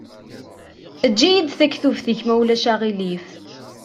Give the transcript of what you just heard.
Eǧǧ-iyi-d taktubt-ik ma ulac aɣilif.